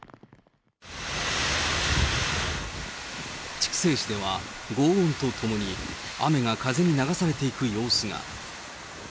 筑西市ではごう音とともに、雨が風に流されていく様子が。